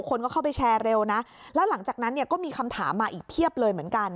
คนก็เข้าไปแชร์เร็วนะแล้วหลังจากนั้นเนี่ยก็มีคำถามมาอีกเพียบเลยเหมือนกัน